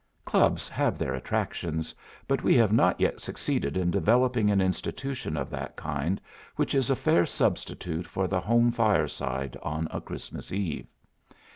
Clubs have their attractions, but we have not yet succeeded in developing an institution of that kind which is a fair substitute for the home fireside on a Christmas Eve.